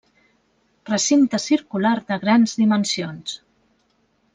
Recinte circular de grans dimensions.